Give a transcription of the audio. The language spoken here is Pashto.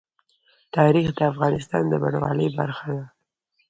تاریخ د افغانستان د بڼوالۍ برخه ده.